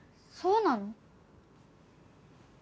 そうなの？